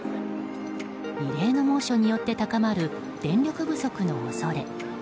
異例の猛暑によって高まる電力不足の恐れ。